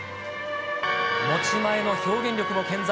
持ち前の表現力も健在。